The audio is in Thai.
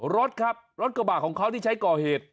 รถครับรถกระบะของเขาที่ใช้ก่อเหตุ